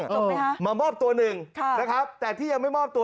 ทำไมฮะมามอบตัวหนึ่งนะครับแต่ที่ยังไม่มอบตัว